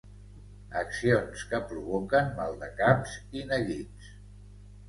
Accions que provoquen maldecaps i neguits.